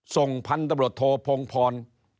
ส่งพันธบทโทพงภร